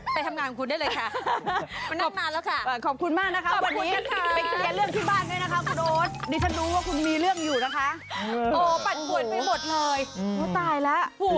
แสดงว่าคุณคนนี้คือสามีของคุณห้างสองหรือคะ